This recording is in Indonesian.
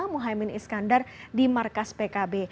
mohaimin iskandar di markas pkb